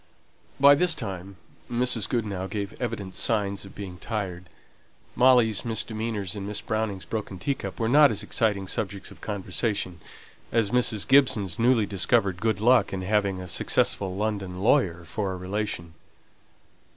By this time Mrs. Goodenough gave evident signs of being tired; Molly's misdemeanors and Miss Browning's broken teacup were not as exciting subjects of conversation as Mrs. Gibson's newly discovered good luck in having a successful London lawyer for a relation.